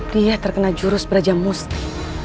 dia terkena jurus beraja musti